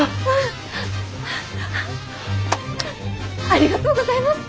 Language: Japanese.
ありがとうございます！